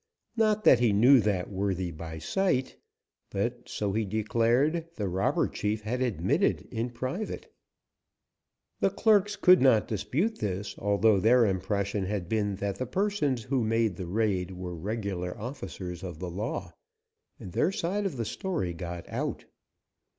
Not that he knew that worthy by sight, but so, he declared, the robber chief had admitted in private. The clerks could not dispute this, although their impression had been that the persons who made the raid were regular officers of the law, and their side of the story got out.